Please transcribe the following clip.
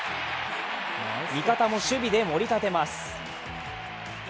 味方も守備で盛り立てます。